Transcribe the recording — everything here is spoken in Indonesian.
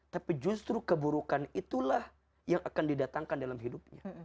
tapi justru keburukan itulah yang akan didatangkan dalam hidupnya